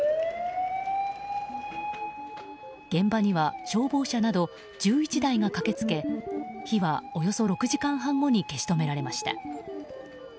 現場には消防車など１１台が駆け付け火はおよそ６時間半後に消し止められました。